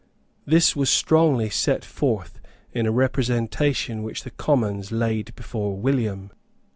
This was strongly set forth in a representation which the Commons laid before William.